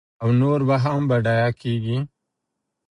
او نور به هم بډایه کېږي.